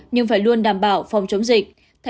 nhưng phải luôn đảm bảo phòng chống dịch